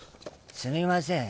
すみません